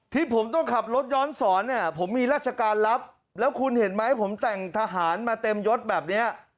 ที่ผมต้องขับรถย้อนสอนเนี่ยผมมีราชการรับแล้วคุณเห็นไหมผมแต่งทหารมาเต็มยศแบบนี้